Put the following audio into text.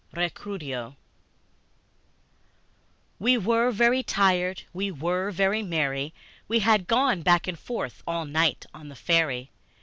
Recuerdo WE WERE very tired, we were very merry We had gone back and forth all night on the ferry.